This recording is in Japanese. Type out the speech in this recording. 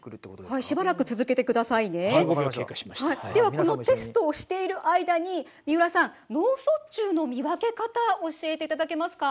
このテストをしている間に三浦さん脳卒中の見分け方教えていただけますか。